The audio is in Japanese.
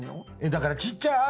だからちっちゃい「あ」